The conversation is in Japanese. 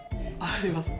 あります。